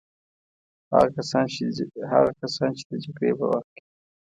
هغه کسان چې د جګړې په وخت کې.